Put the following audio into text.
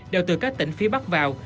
đều từ các tỉnh phía bắc vào